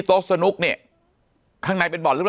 ปากกับภาคภูมิ